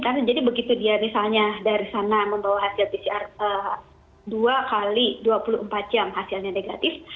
karena jadi begitu dia misalnya dari sana membawa hasil pcr dua x dua puluh empat jam hasilnya negatif